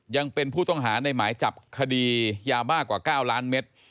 ยังเป็นผู้ต้องหาในหมายจับคดียาบ้ากว่า๙ล้านเมตร